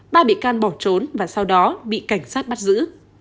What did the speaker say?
ba bị can bỏ trốn và sau đó bị cảnh sát bắt giữ